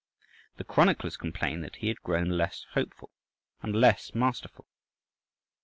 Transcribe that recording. The chroniclers complain that he had grown less hopeful and less masterful.